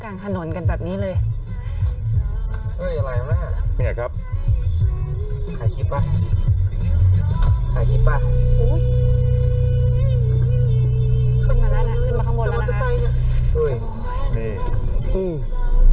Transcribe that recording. กลางถนนกันแบบนี้เลย